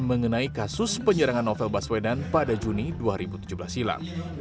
mengenai kasus penyerangan novel baswedan pada juni dua ribu tujuh belas silam